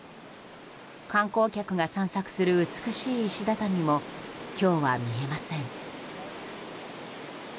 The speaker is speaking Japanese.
観光客が散策する美しい石畳も今日は見えません。